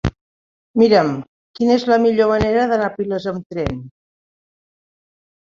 Mira'm quina és la millor manera d'anar a Piles amb tren.